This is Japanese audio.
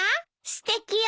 すてきよ。